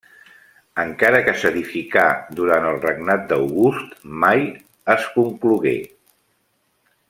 Encara que s'edificà durant el regnat d'August, mai es conclogué.